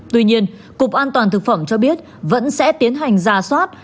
tuy nhiên cục an toàn thực phẩm cho biết vẫn sẽ tiến hành giả soát